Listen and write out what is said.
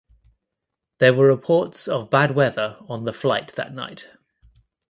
There were reports of bad weather on the flight that night.